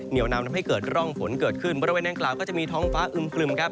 เหนียวน้ำทำให้เกิดร่องฝนเกิดขึ้นบริเวณแน่นอนก็จะมีท้องฟ้าอึมกลึ่ม